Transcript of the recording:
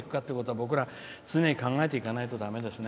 僕ら、常に考えていかないとだめですね。